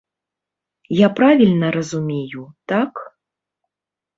Я правільна разумею, так?